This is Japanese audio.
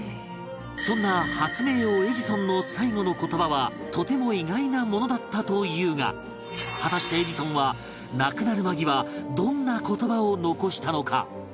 そんな発明王エジソンの最期の言葉はとても意外なものだったというが果たしてエジソンは亡くなる間際どんな言葉を残したのか？